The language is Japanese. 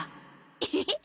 エヘヘ！